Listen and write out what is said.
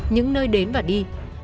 những nơi đến và đi